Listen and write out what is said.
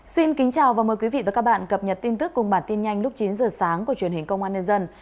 xin kính chào và mời quý vị và các bạn cập nhật tin tức cùng bản tin nhanh lúc chín giờ sáng của truyền hình công an nhân dân